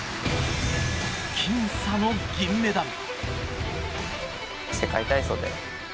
きん差の銀メダル。